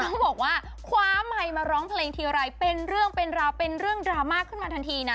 เขาบอกว่าคว้าไมค์มาร้องเพลงทีไรเป็นเรื่องเป็นราวเป็นเรื่องดราม่าขึ้นมาทันทีนะ